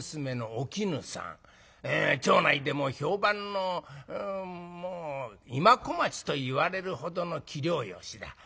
町内でも評判の今小町といわれるほどの器量よしだ。